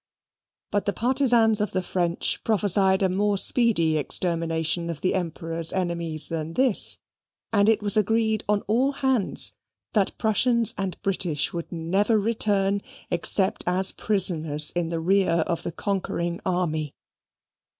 But the partisans of the French prophesied a more speedy extermination of the Emperor's enemies than this; and it was agreed on all hands that Prussians and British would never return except as prisoners in the rear of the conquering army.